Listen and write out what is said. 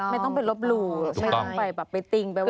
ไม่ต้องไปลบหลู่ไม่ต้องไปแบบไปติ้งไปว่า